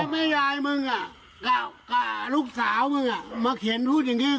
แม่ยายมึงอ่ะกล่าวกล่าวลูกสาวมึงอ่ะมาเขียนพูดอย่างนี้